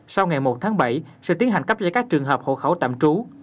sau ngày một tháng bảy sẽ tiến hành cấp giấy các trường hợp hộ khẩu tạm trú